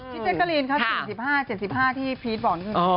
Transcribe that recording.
พี่เจ๊กรีนครับ๗๕๗๕ที่พีชบอกนึง